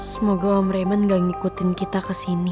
semoga om reman gak ngikutin kita kesini